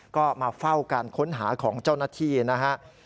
ก็มาเฝ้าการค้นหาของเจ้าหน้าที่นะครับ